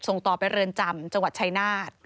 ส่งต่อไปเรือนจำจังหวัดชายนาฏ